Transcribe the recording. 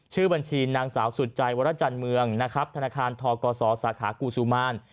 ชื่อบัญชีนางสาวสุดใจวรจันทร์เมืองนะครับธนาคารทกศสาขากูซูมาน